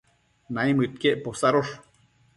naimëdquiec posadosh